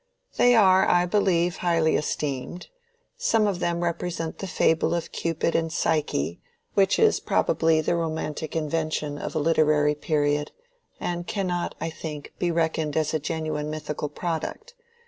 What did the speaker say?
"They are, I believe, highly esteemed. Some of them represent the fable of Cupid and Psyche, which is probably the romantic invention of a literary period, and cannot, I think, be reckoned as a genuine mythical product.